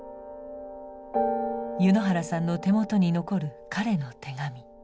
柚之原さんの手元に残る彼の手紙。